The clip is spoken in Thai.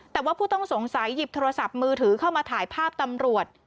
แต่ว่าผู้ต้องสงสัยหยิบโทรศัพท์มือถือเข้ามาถ่ายภาพตำรวจ